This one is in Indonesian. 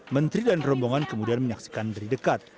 menteri dan rombongan kemudian menyaksikan dari dekat